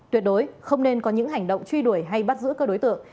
tuyệt đối không nên có những hành động truy đuổi hay bắt giữ các đối tượng